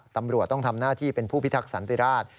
ตำรวจต้องทำหน้าที่เป็นผู้พิทักษันติราช